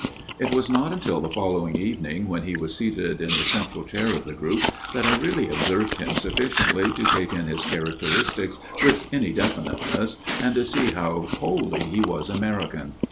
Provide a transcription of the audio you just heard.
It was not until the following evening, when he was seated in the central chair of the group, that I really observed him sufficiently to take in his characteristics with any definiteness and to see how wholly he was American.